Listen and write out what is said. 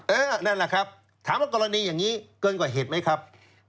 นั่นแหละครับถามว่ากรณีอย่างนี้เกินกว่าเหตุไหมครับ